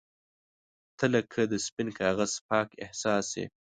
• ته لکه د سپین کاغذ پاک احساس یې.